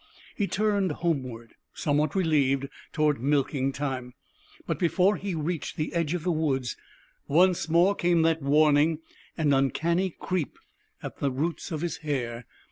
He turned homeward, somewhat relieved, toward milking time. But, before he reached the edge of the woods, once more came that warning and uncanny creep at the roots of his hair.